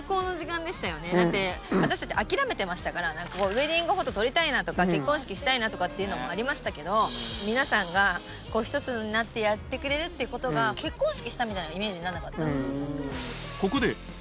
ウエディングフォト撮りたいなとか結婚式したいなとかっていうのもありましたけど皆さんがひとつになってやってくれるっていうことが結婚式したみたいなイメージになんなかった？